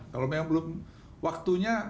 kalau memang belum waktunya